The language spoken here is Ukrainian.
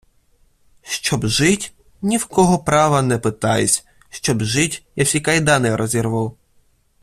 Щоб жить – ні в кого права не питаюсь, Щоб жить – я всі кайдани розірву